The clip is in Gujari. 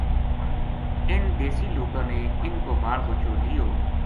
اِنھ دیسی لوکاں نے ان کو بال بچو لیو